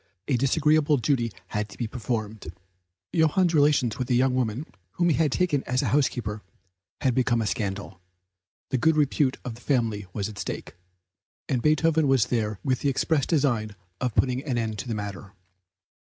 A disagreeable duty had to be performed; Johann's relations with a young woman, whom he had taken as housekeeper, had become a scandal; the good repute of the family was at stake, and Beethoven went there with the express design of putting an end to the matter.